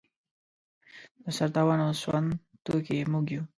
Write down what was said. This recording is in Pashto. د سر تاوان او سوند توکي یې موږ یو.